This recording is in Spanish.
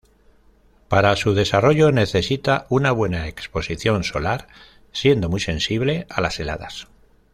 Para su desarrollo necesita una buena exposición solar, siendo muy sensible a las heladas.